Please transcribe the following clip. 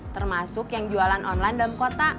termasuk yang jualan online dalam kota